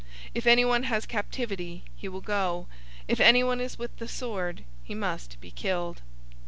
013:010 If anyone has captivity, he will go. If anyone is with the sword, he must be killed.